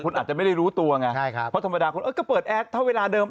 คุณอาจจะไม่ได้รู้ตัวไงใช่ครับเพราะธรรมดาคุณเออก็เปิดแอดถ้าเวลาเดิม